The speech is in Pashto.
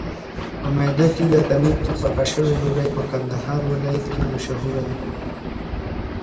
په میده تېږو تنور کې پخه شوې ډوډۍ په کندهار ولایت کې مشهوره ده.